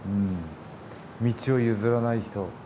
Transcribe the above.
道を譲らない人。